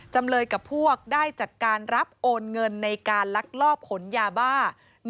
จำเลยกับพวกได้จัดการรับโอนเงินในการลักลอบขนยาบ้า